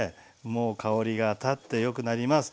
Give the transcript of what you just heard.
もう香りが立ってよくなります。